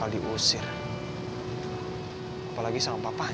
udah mu expectasi